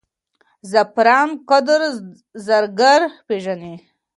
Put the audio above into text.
زعفرانو قدر زرګر پېژني.